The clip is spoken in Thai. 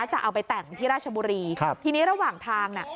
จะเอาไปแต่งที่ราชบุรีครับทีนี้ระหว่างทางน่ะ